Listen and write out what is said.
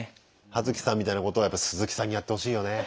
ハヅキさんみたいなことをすずきさんにやってほしいよね。